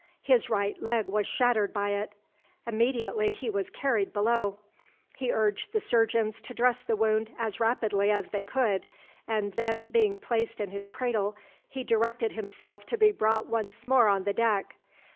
His right leg was shattered by it. Immediately he was carried below. He urged the surgeons to dress the wound as rapidly as they could, and then being placed in his cradle, he directed himself to be brought once more on the deck.